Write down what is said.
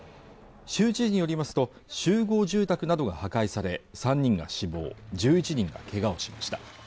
州知事によりますと集合住宅などが破壊され３人が死亡１１人がけがをしました